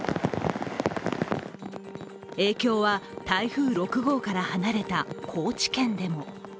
影響は台風６号から離れた高知県でも。